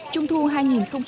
trung thu hay không